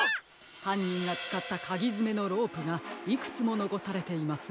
はんにんがつかったかぎづめのロープがいくつものこされています。